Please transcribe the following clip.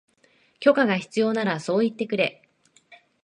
許可が必要ならそう言ってくれ